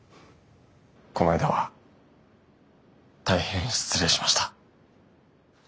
この間は大変失礼しました。